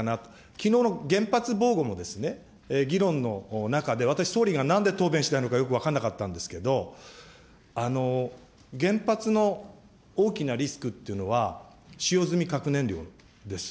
きのうの原発防護もですね、議論の中で、私、総理がなんで答弁しないのかよく分かんなかったんですけれども、原発の大きなリスクっていうのは、使用済み核燃料です。